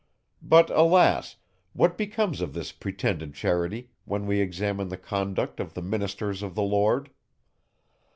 But, alas! what becomes of this pretended charity, when we examine the conduct of the ministers of the Lord?